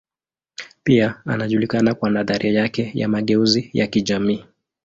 Pia anajulikana kwa nadharia yake ya mageuzi ya kijamii.